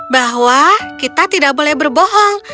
bahwa kita tidak boleh berbohong